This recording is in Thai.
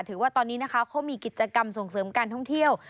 ถือว่าตอนนี้นะคะเขามีกิจกรรมส่งเสริมการท่องเที่ยว